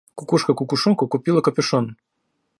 Кукушка кукушонку купила капюшон.